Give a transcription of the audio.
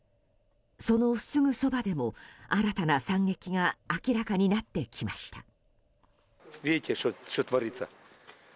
そのすぐそばでも新たな惨劇が明らかになってきました。